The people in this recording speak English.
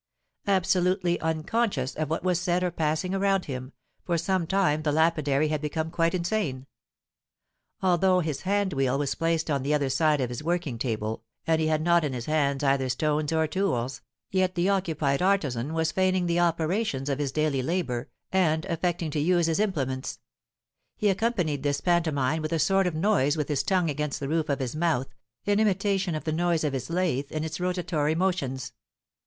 Absolutely unconscious of what was said or passing around him, for some time the lapidary had become quite insane. Although his hand wheel was placed on the other side of his working table, and he had not in his hands either stones or tools, yet the occupied artisan was feigning the operations of his daily labour, and affecting to use his implements. He accompanied this pantomime with a sort of noise with his tongue against the roof of his mouth, in imitation of the noise of his lathe in its rotatory motions.